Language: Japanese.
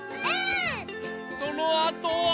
そのあとは。